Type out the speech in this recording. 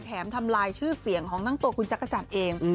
ทำลายชื่อเสียงของทั้งตัวคุณจักรจันทร์เอง